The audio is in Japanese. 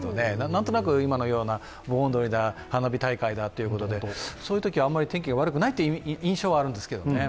なんとなく今のような盆踊り、花火大会というところでそういうときは、あまり天気が悪くないという印象があるんですけど。